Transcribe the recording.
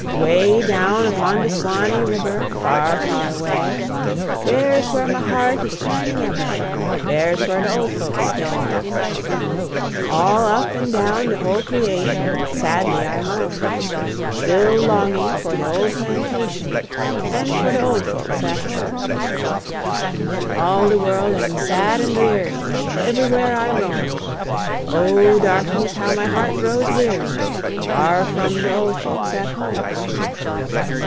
Way down upon de Swanee Ribber, Far, far away, Dere's wha my heart is turning ebber, Dere's wha de old folks stay. All up and down de whole creation Sadly I roam, Still longing for de old plantation, And for de old folks at home. All de world am sad and dreary, Eberywhere I roam; Oh, darkeys, how my heart grows weary, Far from de old folks at home!